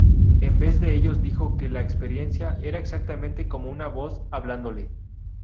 En vez de ellos dijo que la experiencia era exactamente como una voz hablándole.